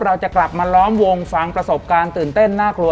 เราจะกลับมาล้อมวงฟังประสบการณ์ตื่นเต้นน่ากลัว